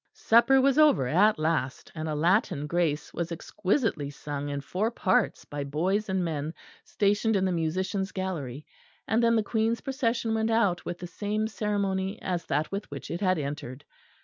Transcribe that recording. Supper was over at last; and a Latin grace was exquisitely sung in four parts by boys and men stationed in the musicians' gallery; and then the Queen's procession went out with the same ceremony as that with which it had entered.